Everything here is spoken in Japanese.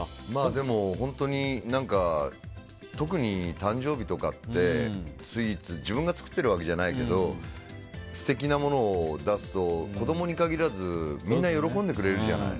でも本当に特に誕生日とかってスイーツ自分が作ってるわけじゃないけど素敵なものを出すと子供に限らずみんな喜んでくれるじゃない。